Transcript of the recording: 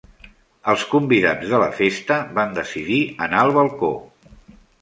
Els convidats de la festa van decidir anar al balcó.